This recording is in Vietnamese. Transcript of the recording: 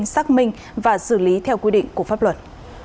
xác minh và xử lý theo quy định của pháp luật